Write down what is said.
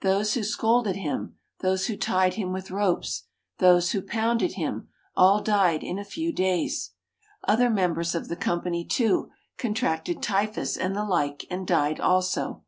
Those who scolded him, those who tied him with ropes, those who pounded him, all died in a few days. Other members of the company, too, contracted typhus and the like, and died also.